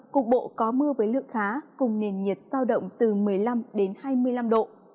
cục bộ có mưa với lượng khá cùng nền nhiệt sao động từ một mươi năm đến hai mươi năm độ